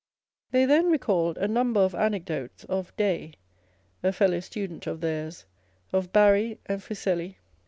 They then recalled a number of anecdotes of Day (a fellow student of theirs), of Barry and Fuseli.